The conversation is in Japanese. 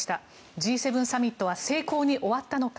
Ｇ７サミットは成功に終わったのか。